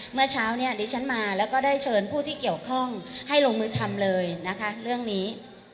เมื่อเช้าเนี่ยดิฉันมาแล้วก็ได้เชิญผู้ที่เกี่ยวข้องให้ลงมือทำเลยนะคะเรื่องนี้